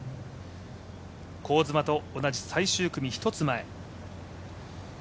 香妻と同じ、最終組１つ前。